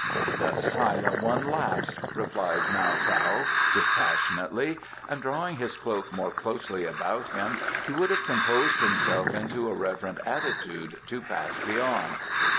"The Silent One laughs!" replied Nau Kaou dispassionately; and drawing his cloak more closely about him he would have composed himself into a reverent attitude to Pass Beyond.